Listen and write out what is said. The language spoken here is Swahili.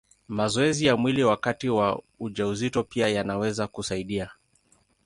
Mazoezi ya mwili wakati wa ujauzito pia yanaweza kusaidia.